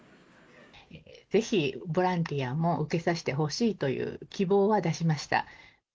ぜひボランティアも受けさせてほしいという希望は出しました。